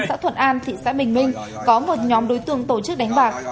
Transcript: xã thuận an tp hcm có một nhóm đối tượng tổ chức đánh bạc